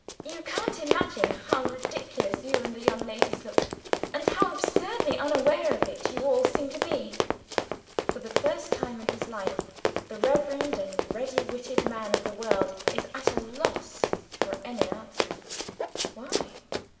You can't imagine how ridiculous you and the young ladies look, and how absurdly unaware of it you all seem to be." For the first time in his life, the reverend and ready witted man of the world is at a loss for an answer. Why?